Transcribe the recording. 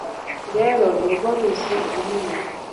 rero ni rwo ruzi runini